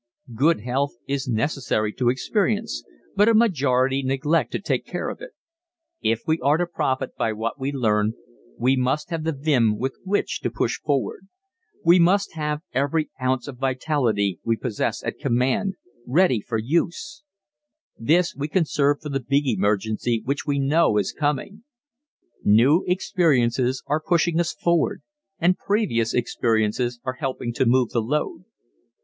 Good health is necessary to experience, but a majority neglect to take care of it. If we are to profit by what we learn we must have the vim with which to push forward. We must have every ounce of vitality we possess at command ready for use. This we conserve for the big emergency which we know is coming. New experiences are pushing us forward and previous experiences are helping to move the load.